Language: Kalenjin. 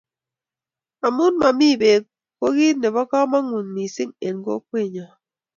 amun mami bek ko kit nebo kamangut mising eng kokwet nyon